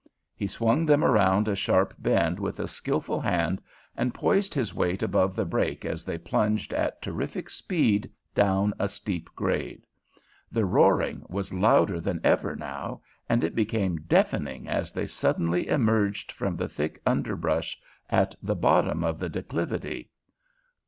He swung them around a sharp bend with a skillful hand and poised his weight above the brake as they plunged at terrific speed down a steep grade. The roaring was louder than ever now, and it became deafening as they suddenly emerged from the thick underbrush at the bottom of the declivity.